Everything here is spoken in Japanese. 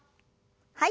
はい。